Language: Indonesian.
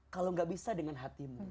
kalau gak bisa dengan hatimu